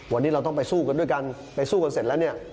วันนี้เราต้องไปสู้กันด้วยกันไปสู้กันเสร็จแล้วเนี่ย